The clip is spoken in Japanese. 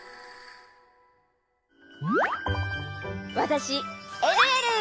わたしえるえる！